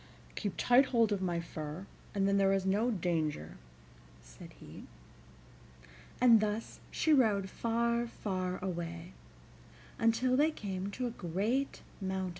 "Keep tight hold of my fur, and then there is no danger," said he. And thus she rode far, far away, until they came to a great mountain.